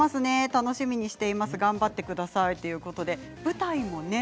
楽しみにしています頑張ってくださいと舞台もね。